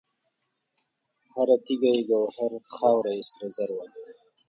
هر تیږه یې ګوهر، خاوره سره زر وه